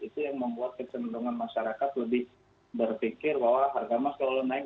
itu yang membuat kecenderungan masyarakat lebih berpikir bahwa harga emas selalu naik